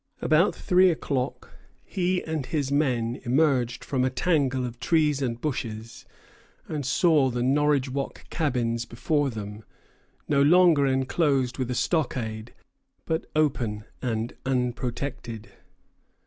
About three o'clock he and his men emerged from a tangle of trees and bushes, and saw the Norridgewock cabins before them, no longer enclosed with a stockade, but open and unprotected.